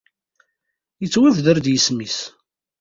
Ittwabder-d yisem-im.